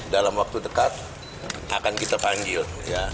dalam waktu dekat akan kita panggil